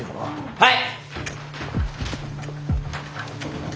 はい。